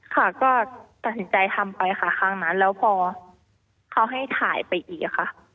ค่ะก็ตัดสินใจทำไปค่ะครั้งนั้นแล้วพอเขาให้ถ่ายไปอีกค่ะ